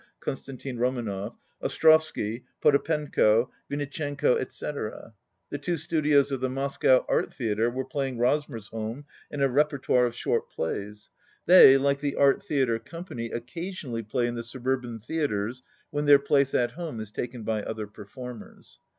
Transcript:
(Konstantin Romanov), Ostrovsky, Potapenko, Vinitchenko, etc. The two Studios of the Mos cow Art Theatre were playing "Rosmersholm" and a repertoire of short plays. They, like the Art Theatre Company, occasionally play in the subur ban theatres when their place at home is taken by odier performers.